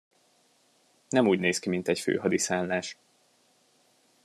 Nem úgy néz ki, mint egy főhadiszállás.